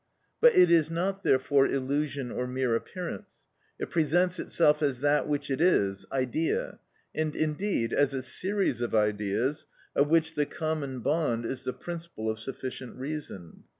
But it is not therefore illusion or mere appearance; it presents itself as that which it is, idea, and indeed as a series of ideas of which the common bond is the principle of sufficient reason.